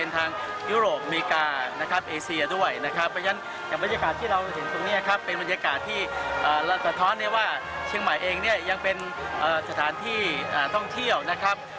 ทั้งยุโรปและอเมริกานะครับ